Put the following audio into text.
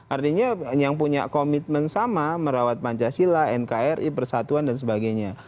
artinya yang punya komitmen sama merawat pancasila nkri persatuan dan sebagainya